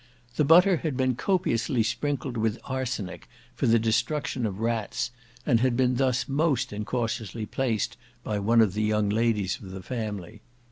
The butter had been copiously sprinkled with arsenic for the destruction of rats, and had been thus most incautiously placed by one of the young ladies of the family.